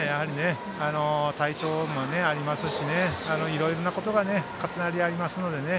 体調面もありますしいろいろなことが重なり合いますのでね。